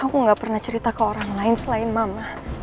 aku enggak pernah cerita ke orang lain selain ma ma